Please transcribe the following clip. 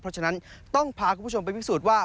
เพราะฉะนั้นต้องพาคุณผู้ชมไปพิสูจน์ว่า